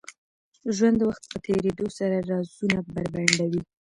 ژوند د وخت په تېرېدو سره رازونه بربنډوي.